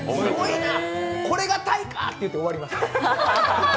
これがタイか！って言って帰りました。